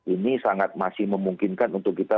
ini sangat masih memungkinkan untuk kita